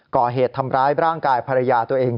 ก่อเหตุทำร้ายร่างกายภรรยาตัวเอง